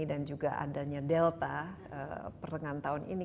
dan juga adanya delta pertengahan tahun ini